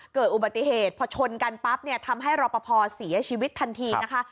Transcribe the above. เกิดอุบัติเหตุพอชนกันปั๊บเนี่ยทำให้รอปภเสียชีวิตทันทีนะคะ